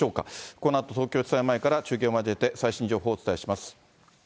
このあと東京地裁前から中継を交えて、最新情報をお伝えします。